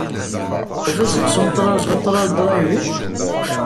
D aɣerbaz n Central Driving?